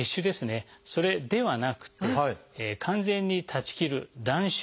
それではなくて完全に断ち切る断酒